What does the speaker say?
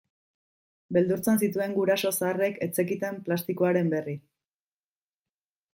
Beldurtzen zituen guraso zaharrek ez zekiten plastikoaren berri.